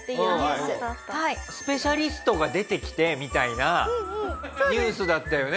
スペシャリストが出てきてみたいなニュースだったよね。